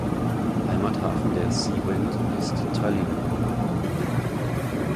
Heimathafen der "Sea Wind" ist Tallinn.